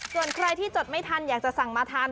ส่วนใครที่จดไม่ทันอยากจะสั่งมาทาน